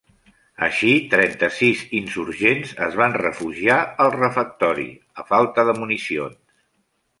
Així, trenta-sis insurgents es van refugiar al refectori, a falta de municions.